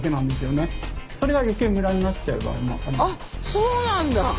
そうなんだ。